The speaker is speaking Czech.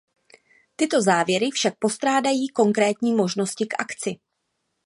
Tyto závěry však postrádají konkrétní možnosti k akci.